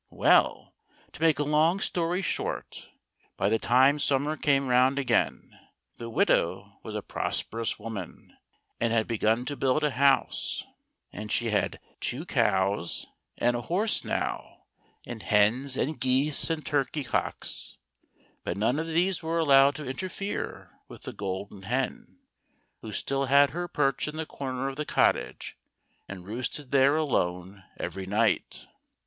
Well, to make a long story short, by the time summer came round again, the widow was a prosperous woman, and had begun to build a house, and she had two cows 6o THE GOLDEN HEN. and a horse now, and hens and geese, and turkey cocks, but none of these were allowed to interfere with the Golden Hen, who still had her perch in the corner of the cottage, and roosted there alone every night.